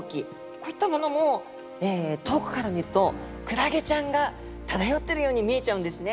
こういったものも遠くから見るとクラゲちゃんが漂ってるように見えちゃうんですね。